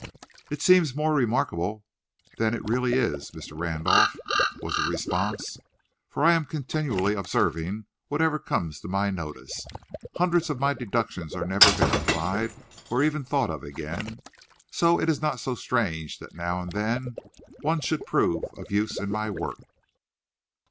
"It seems more remarkable than it really is, Mr. Randolph," was the response; "for I am continually observing whatever comes to my notice. Hundreds of my deductions are never verified, or even thought of again; so it is not so strange that now and then one should prove of use in my work."